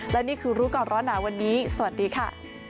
และนี่คือรู้ก่อนร้อนหนาวันนี้สวัสดีค่ะ